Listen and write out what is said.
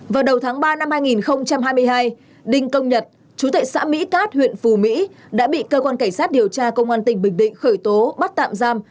vào đầu tháng ba năm hai nghìn hai mươi hai đinh công nhật chú tệ xã mỹ cát huyện phù mỹ đã bị cơ quan cảnh sát điều tra công an tỉnh bình định khởi tố bắt tạm giam